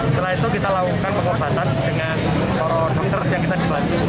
setelah itu kita lakukan pengobatan dengan para dokter yang kita dibantu